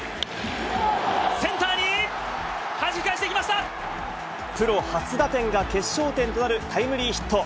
センターに、はじき返していプロ初打点が決勝点となるタイムリーヒット。